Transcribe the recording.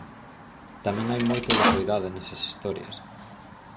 Tamén hai moito de soidade nesas historias.